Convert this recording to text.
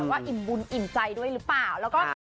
หรือหรือเปล่า